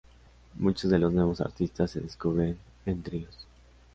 Muchos de los nuevos artistas se descubren en tríos.